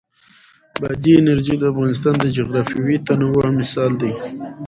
بادي انرژي د افغانستان د جغرافیوي تنوع مثال دی.